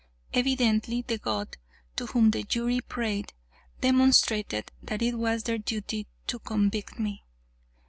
Evidently the god, to whom the jury prayed, demonstrated that it was their duty to convict me.